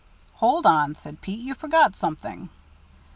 "Hold on," said Pete, "you forgot something."